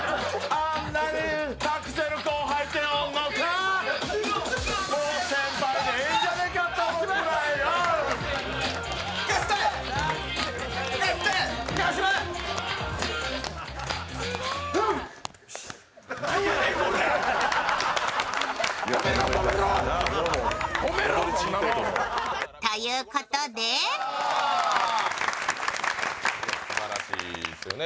あんなに託せる後輩ってかということですばらしいですよね。